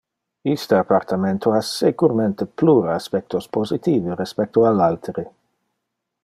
Iste appartamento ha securmente plure aspectos positive respecto al altere.